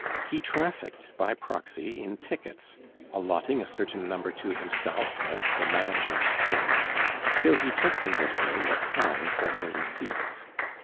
He trafficked by proxy in tickets, allotting a certain number to himself, as the manager's share, till he took in this way a tithe of the receipts.